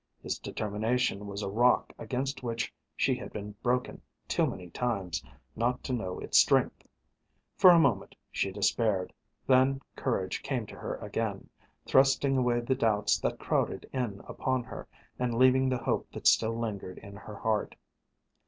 His determination was a rock against which she had been broken too many times not to know its strength. For a moment she despaired, then courage came to her again, thrusting away the doubts that crowded in upon her and leaving the hope that still lingered in her heart.